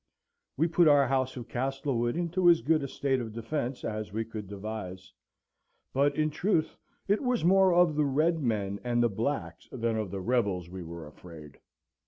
We put our house of Castlewood into as good a state of defence as we could devise; but, in truth, it was more of the red men and the blacks than of the rebels we were afraid.